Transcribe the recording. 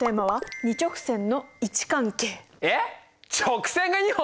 えっ直線が２本？